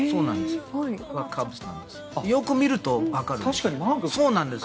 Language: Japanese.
よく見ると分かります。